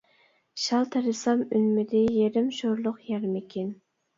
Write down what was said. شال تېرىسام ئۈنمىدى، يېرىم شورلۇق يەرمىكىن.